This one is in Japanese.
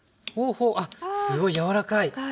あっすごい柔らかい。